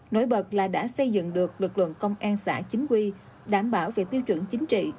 nổi bật là đã xây dựng được lực lượng công an xã chính quy đảm bảo về tiêu chuẩn chính trị